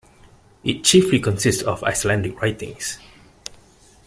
It chiefly consists of Icelandic writings.